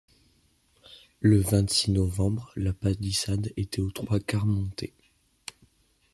Le vingt-six novembre, la palissade était aux trois quarts montée.